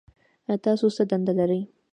تاسو څه دنده لرئ؟